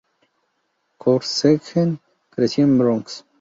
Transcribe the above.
Jorgensen creció en el Bronx.